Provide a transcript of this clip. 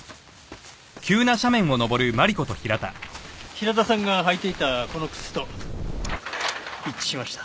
平田さんが履いていたこの靴と一致しました。